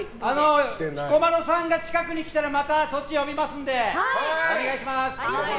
彦摩呂さんが近くに来たらまた、そっち呼びますんでお願いします！